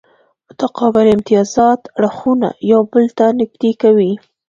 متقابل امتیازات اړخونه یو بل ته نږدې کوي